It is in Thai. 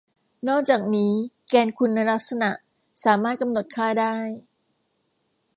นอกจากนี้แกนคุณลักษณะสามารถกำหนดค่าได้